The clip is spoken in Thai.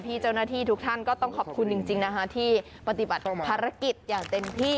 เจ้าหน้าที่ทุกท่านก็ต้องขอบคุณจริงนะคะที่ปฏิบัติภารกิจอย่างเต็มที่